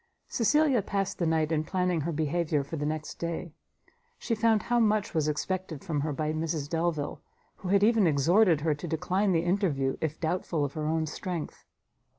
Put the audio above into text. Cecilia passed the night in planning her behaviour for the next day; she found how much was expected from her by Mrs Delvile, who had even exhorted her to decline the interview if doubtful of her own strength.